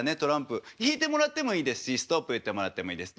引いてもらってもいいですし「ストップ」言ってもらってもいいです。